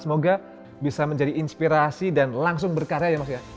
semoga bisa menjadi inspirasi dan langsung berkarya ya mas ya